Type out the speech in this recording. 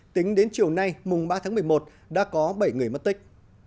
tính đến chiều nay mùng ba tháng một mươi một đã có bảy người mất tích